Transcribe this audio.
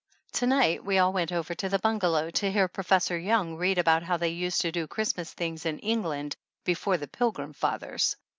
To night we all went over to the bungalow to hear Professor Young read about how they used to do Christmas things in England before the Pilgrim Fathers.